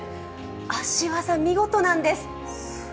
足技、見事なんです。